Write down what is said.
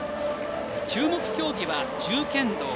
注目競技は銃剣道。